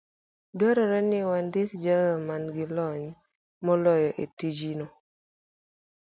dwarore ni wandik jalo man gi lony molony e tijno.